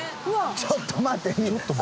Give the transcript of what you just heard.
ちょっと待て。